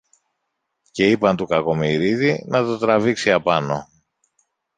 και είπαν του Κακομοιρίδη να το τραβήξει απάνω